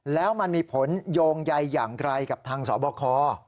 แล้วมันมีผลโยงใยอย่างไกลกับทางสบค